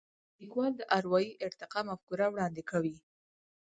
لیکوال د اروايي ارتقا مفکوره وړاندې کوي.